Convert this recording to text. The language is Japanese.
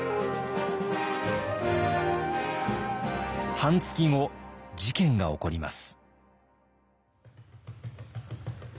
半月後事件が起こります。